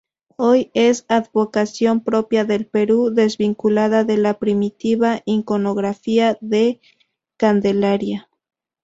Hoy es advocación propia del Perú, desvinculada de la primitiva iconografía de "Candelaria".